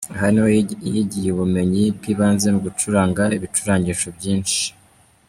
Aha niho yigiye ubumenyi bw’ibanze mu gucuranga ibicurangisho byinshi.